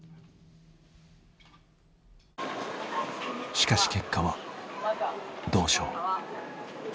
しかし結果は銅賞。